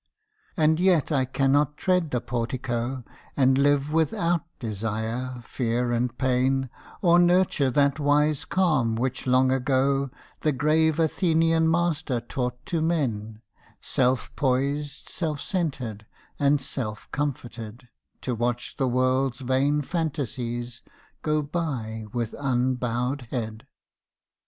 And yet I cannot tread the Portico And live without desire, fear and pain, Or nurture that wise calm which long ago The grave Athenian master taught to men, Self poised, self centred, and self comforted, To watch the world's vain phantasies go by with unbowed head.